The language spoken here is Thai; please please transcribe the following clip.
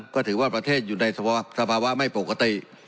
ก็ถือว่าประเทศอยู่ในสภาวะไม่ปกติ